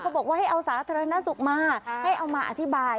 บอกว่าให้เอาสาธารณสุขมาให้เอามาอธิบาย